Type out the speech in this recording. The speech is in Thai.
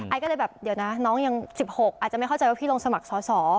ก็เลยแบบเดี๋ยวนะน้องยัง๑๖อาจจะไม่เข้าใจว่าพี่ลงสมัครสอสอ